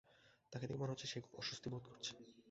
তাকে দেখে মনে হচ্ছে, সে খুব অস্বস্তি বোধ করছে।